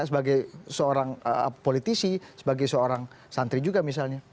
sebagai seorang politisi sebagai seorang santri juga misalnya